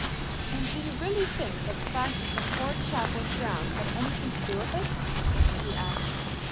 "And do you really think that the fact that the poor chap was drowned had anything to do with it?" he asked.